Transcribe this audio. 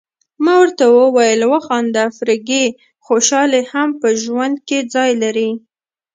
ما ورته وویل: وخانده فرګي، خوشالي هم په ژوند کي ځای لري.